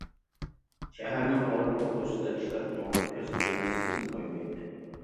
شەھەرنىڭ ئاۋات بۇ كوچىسىدا كىشىلەر ئۇنىڭغا كۆز قىرىنى سېلىپمۇ قويمايتتى.